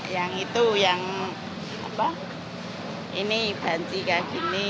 yang itu yang apa ini banci kayak gini